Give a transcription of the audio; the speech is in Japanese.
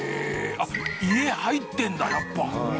あっ「家」入ってるんだやっぱ。